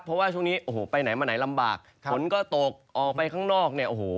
เพราะว่าช่วงนี้ไปไหนมาไหนลำบากฝนก็ตกออกไปข้างนอก